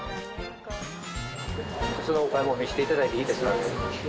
そのお買い物見せていただいていいですか。